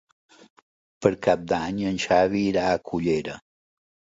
Per Cap d'Any en Xavi irà a Cullera.